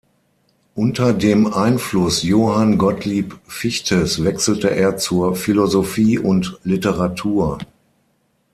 Unter dem Einfluss Johann Gottlieb Fichtes wechselte er zur Philosophie und Literatur.